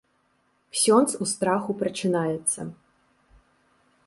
Ксёндз у страху прачынаецца.